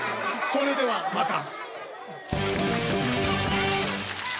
それではまた。